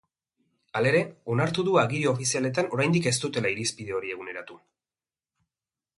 Halere, onartu du agiri ofizialetan oraindik ez dutela irizpide hori eguneratu.